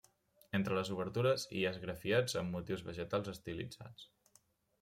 Entre les obertures hi ha esgrafiats amb motius vegetals estilitzats.